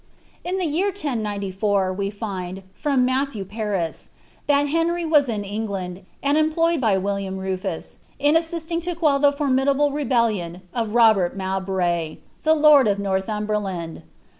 In the year 1094, we find, from Matthew Paris, that Henry was in England, and employed by William Rufus in assisting to quell Uie formi dUble rebellion of Robert Mowbray, the Lord of Nor&umberland.